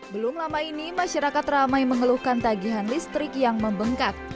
belum lama ini masyarakat ramai mengeluhkan tagihan listrik yang membengkak